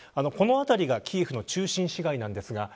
この辺りがキエフの中心市街です。